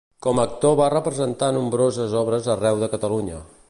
Com a actor va representar nombroses obres arreu de Catalunya.